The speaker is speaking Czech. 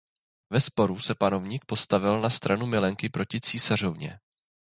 Ve sporu se panovník postavil na stranu milenky proti císařovně.